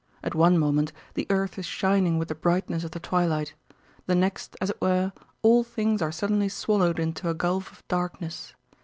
At one moment the earth is shining with the brightness of the twilight; the next, as it were, all things are suddenly swallowed into a gulf of darkness.